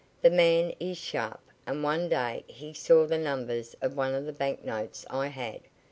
The man is sharp, and one day he saw the numbers of one of the bank notes I had.